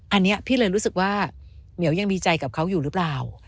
อันนี้พี่เลยรู้สึกว่าเหมียวยังมีใจกับเขาอยู่หรือเปล่า